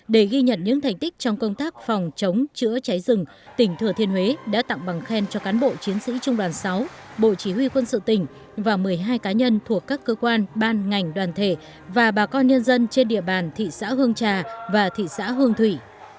để ghi nhận những thành tích trong công tác phòng chống chữa cháy rừng tỉnh thừa thiên huế đã tặng bằng khen cho cán bộ chiến sĩ trung đoàn sáu bộ chỉ huy quân sự tỉnh và một mươi hai cá nhân thuộc các cơ quan ban ngành đoàn thể và bà con nhân dân trên địa bàn thị xã hương trà và thị xã hương thủy